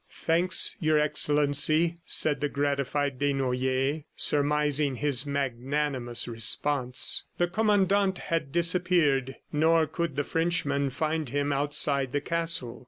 "Thanks, Your Excellency," said the gratified Desnoyers, surmising his magnanimous response. The Commandant had disappeared, nor could the Frenchman find him outside the castle.